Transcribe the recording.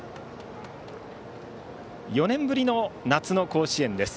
４年ぶりの夏の甲子園です